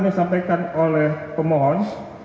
disampaikan oleh pemohon